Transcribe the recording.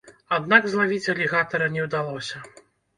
Аднак злавіць алігатара не ўдалося.